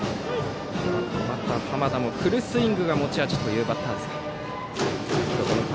バッターの濱田もフルスイングが持ち味というバッター。